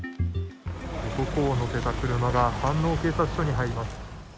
男を乗せた車が飯能警察署に入ります。